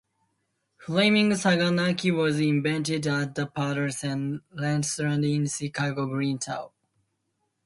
Flaming Saganaki was invented at the Parthenon Restaurant in Chicago's Greektown.